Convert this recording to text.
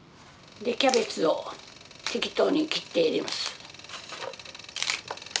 キャベツを適当に切って入れます。